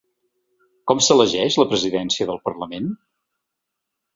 Com s’elegeix la presidència del parlament?